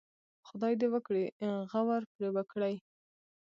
خدای دې وکړي غور پرې وکړي.